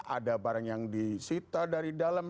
ada barang yang disita dari dalam